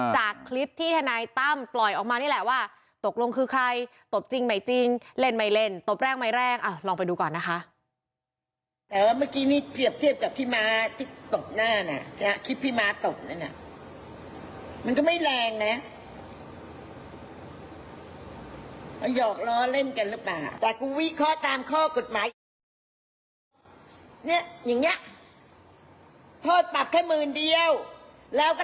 จากคลิปที่ทนายตั้มปล่อยออกมานี่แหละว่าตกลงคือใครตบจริงใหม่จริงเล่นไม่เล่นตบแรกไม่แรงลองไปดูก่อนนะคะ